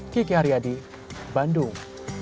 kiki haryadi bandung